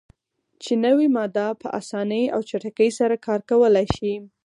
چې نوی ماده "په اسانۍ او چټکۍ سره کار کولای شي.